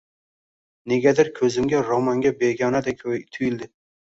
Negadir ko’zimga romanga begonaday tuyildi.